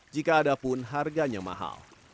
jika ada pun harganya mahal